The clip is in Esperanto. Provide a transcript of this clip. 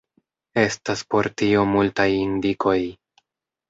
Estas por tio multaj indikoj.